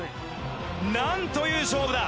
なんという勝負だ。